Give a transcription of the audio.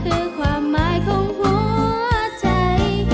คือความหมายของหัวใจ